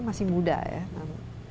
masih muda ya